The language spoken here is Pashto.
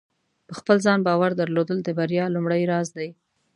په خپل ځان باور درلودل د بریا لومړۍ راز دی.